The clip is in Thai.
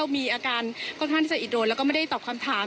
มีอาการค่อนข้างที่จะอิดโรนแล้วก็ไม่ได้ตอบคำถาม